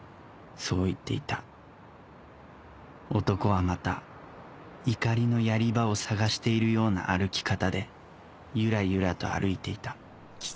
そう言っていた男はまた怒りのやり場を探しているような歩き方でゆらゆらと歩いていた